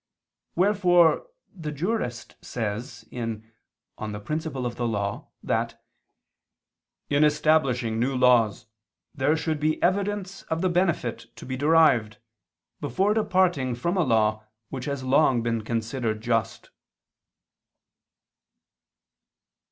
Wherefore the Jurist says [*Pandect. Justin. lib. i, ff., tit. 4, De Constit. Princip.] that "in establishing new laws, there should be evidence of the benefit to be derived, before departing from a law which has long been considered just."